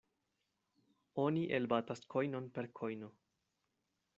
Oni elbatas kojnon per kojno.